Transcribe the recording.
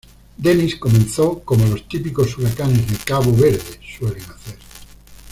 Dennis comenzó como los típicos huracanes de Cabo Verde suelen hacer.